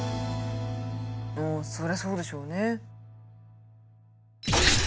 そりゃそうでしょうね。